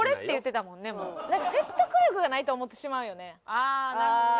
ああなるほどね。